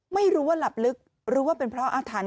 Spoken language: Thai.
ไม่รู้ว่าหลับลึกรู้ว่าเป็นเพราะอาถรรพ